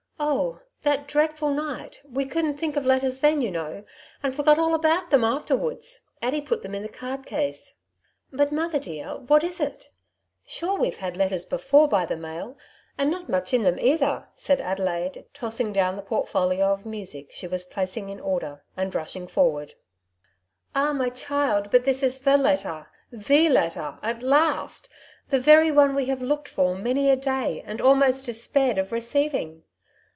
" Oh ! that dreadful night. We couldn't think of letters then, you know ; and forgot all about them afterwards. Addy put them in the card case." ^^ But, mother dear, what is it ? Sure we Ve had letters before by the mail, and not much in them either,^' said Adelaide, tossing down the portfolio The Delanys' Side of the Question. 167 of music she was placing in order, and rushing forward. '' Ah, my child ! but this is fhe letter, the letter, at last ! The very one we have looked for many a day, and almost despaired of receiving.